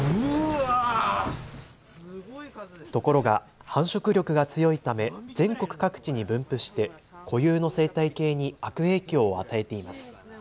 ところが繁殖力が強いため全国各地に分布して固有の生態系に悪影響を与えています。